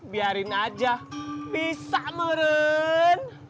biarin aja bisa meren